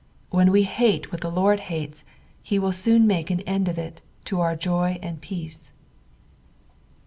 Wlien we hate what the Lord' hates, he will sooa make an end of it, to our Jo; and peace.